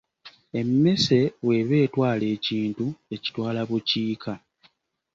Emmese bw’eba etwala ekintu, ekitwala bukiika.